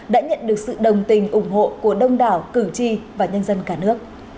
đã nhận được sự đồng tình ủng hộ của đông đảo cử tri và nhân dân cả nước